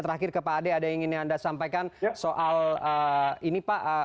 terakhir ke pak ade ada yang ingin anda sampaikan soal ini pak